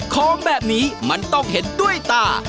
ของแบบนี้มันต้องเห็นด้วยตา